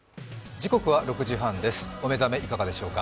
時刻は６時半です、お目覚めいかがでしょうか。